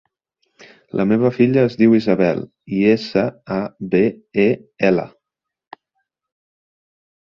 La meva filla es diu Isabel: i, essa, a, be, e, ela.